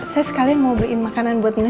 saya sekalian mau beliin makanan buat nina